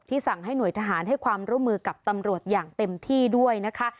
สั่งให้หน่วยทหารให้ความร่วมมือกับตำรวจอย่างเต็มที่ด้วยนะคะ